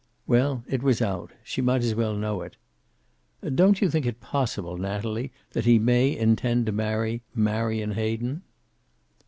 Well, it was out. She might as well know it. "Don't you think it possible, Natalie, that he may intend to marry Marion Hayden?"